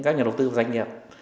các nhà đầu tư và doanh nghiệp